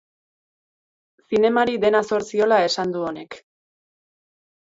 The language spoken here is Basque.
Zinemari dena zor diola esan du honek.